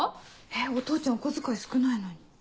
お父ちゃんお小遣い少ないのに。